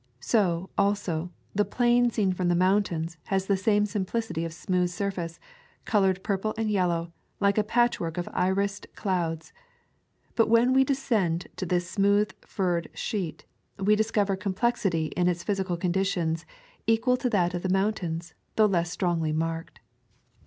So, also, the plain seen from the mountains has the same simplicity of smooth surface, colored purple and yellow, like a patchwork of irised clouds. But when we descend to this smooth furred sheet, we discover complexity in its phys ical conditions equal to that of the mountains, though less strongly marked.